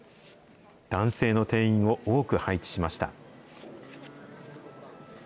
男性の店員を多く配置しました。